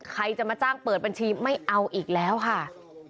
ใครจะมาจ้างเปิดบัญชีไม่เอาอีกแล้วค่ะ